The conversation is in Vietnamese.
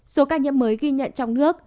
số ca nhiễm mới ghi nhận trong nước